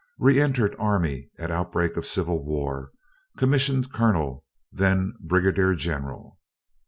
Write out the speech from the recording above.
Re entered army at outbreak of Civil War. Commissioned colonel, then brigadier general.